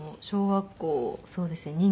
小学校そうですね。